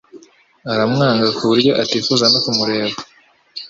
aramwanga kuburyo atifuza no kumureba